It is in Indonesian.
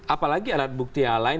apalagi alat bukti yang lain